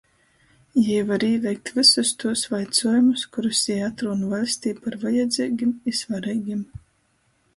Jei var īveikt vysus tūs vaicuojumus, kurus jei atrūn vaļstī par vajadzeigim i svareigim.